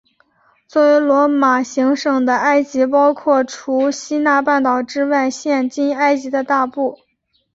作为罗马行省的埃及包括了除西奈半岛之外现今埃及的大部。